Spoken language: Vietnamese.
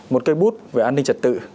một cây bút về an ninh trật tự